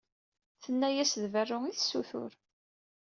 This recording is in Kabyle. Tenna-yas d berru i tessutur.